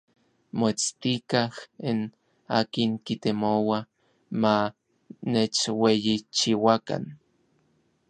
Moetstikaj n akin kitemoua ma nechueyichiuakan.